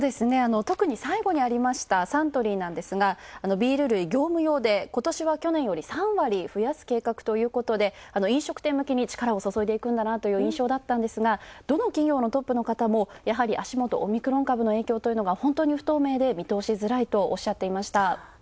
特に最後にありましたサントリーなんですが、ビール類、業務用でことしは去年より３割増やす計画ということで、飲食店向けに力を注いでいくんだなという印象だったんですが、どの企業のトップの方も、やはり足元、オミクロン株の影響というのが本当に不透明で見通しづらいと言っていました。